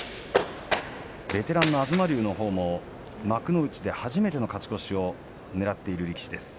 ベテランの東龍のほうも幕内で初めての勝ち越しをねらっている力士です。